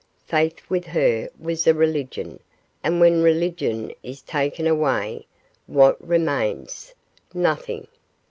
Faith with her was a religion, and when religion is taken away, what remains? nothing.